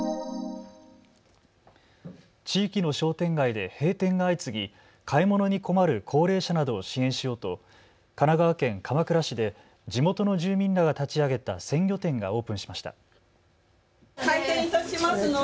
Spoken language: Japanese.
地域の商店街で閉店が相次ぎ買い物に困る高齢者などを支援しようと神奈川県鎌倉市で地元の住民らが立ち上げた鮮魚店がオープンしました。